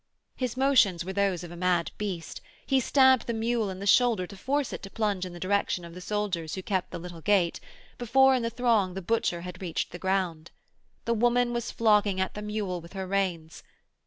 His motions were those of a mad beast; he stabbed the mule in the shoulder to force it to plunge in the direction of the soldiers who kept the little gate, before in the throng the butcher had reached the ground. The woman was flogging at the mule with her reins.